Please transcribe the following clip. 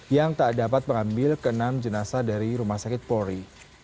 yang tak dapat mengambil keenam jenasa dari rumah sakit polri